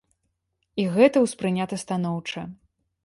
І гэта ўспрынята станоўча.